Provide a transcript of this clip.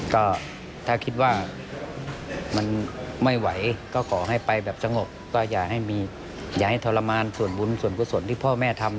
ก็ถ้าคิดว่ามันไม่ไหวก็ขอให้ไปแบบสงบก็อย่าให้มีอย่าให้ทรมานส่วนบุญส่วนกุศลที่พ่อแม่ทำ